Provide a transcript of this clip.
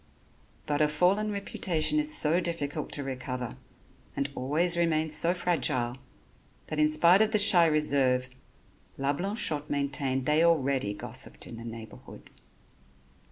But a fallen reputation is so difficult to recover and always remains so fragile that, in spite of the shy reserve, La Blanchotte maintained they already gossiped in the neighborhood.